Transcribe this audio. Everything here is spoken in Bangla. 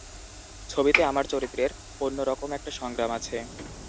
ছবিতে আমার চরিত্রের অন্য রকম একটা সংগ্রাম আছে।